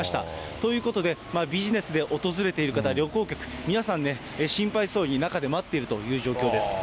ということで、ビジネスで訪れている方、旅行客、皆さんね、心配そうに中で待っているという状況です。